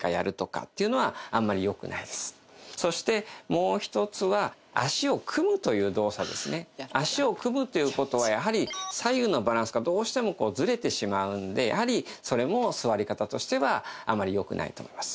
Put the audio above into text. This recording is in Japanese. こういう状態っていうのはですからまずそして足を組むという事はやはり左右のバランスがどうしてもずれてしまうんでやはりそれも座り方としてはあまり良くないと思います。